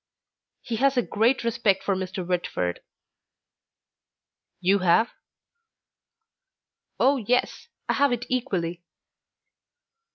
"He has a great respect for Mr. Whitford." "You have?" "Oh, yes; I have it equally."